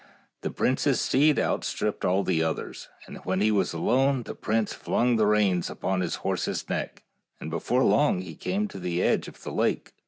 The prince's steed outstripped the others, and when he was alone the prince flung the reins upon his horse's neck, and before long he came to the edge of the lake.